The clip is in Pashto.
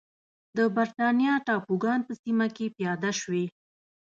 د برېټانیا ټاپوګان په سیمه کې پیاده شوې.